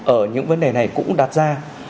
ở những vấn đề này cũng đặt ra